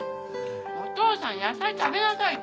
お父さん野菜食べなさいって。